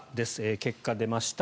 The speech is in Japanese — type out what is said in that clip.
結果、出ました。